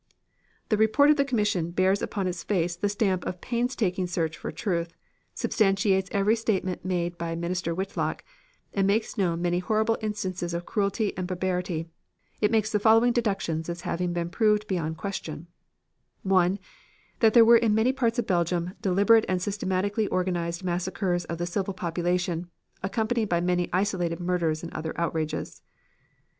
The report of the commission bears upon its face the stamp of painstaking search for truth, substantiates every statement made by Minister Whitlock and makes known many horrible instances of cruelty and barbarity. It makes the following deductions as having been proved beyond question: 1. That there were in many parts of Belgium deliberate and systematically organized massacres of the civil population, accompanied by many isolated murders and other outrages.